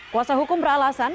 kuasa hukum beralasan